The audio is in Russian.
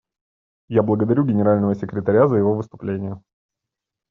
Я благодарю Генерального секретаря за его выступление.